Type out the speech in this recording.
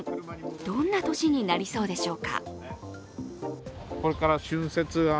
どんな年になりそうでしょうか？